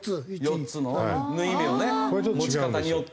４つの縫い目をね持ち方によって。